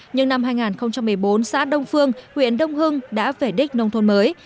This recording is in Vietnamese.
nhưng năm hai nghìn một mươi bốn xã đông phương huyện đông hưng đã về đích nông thôn mới